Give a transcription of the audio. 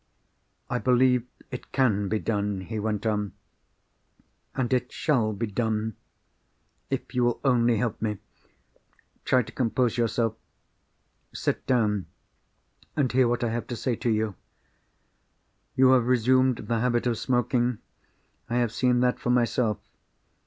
"I believe it can be done," he went on. "And it shall be done—if you will only help me. Try to compose yourself—sit down, and hear what I have to say to you. You have resumed the habit of smoking; I have seen that for myself.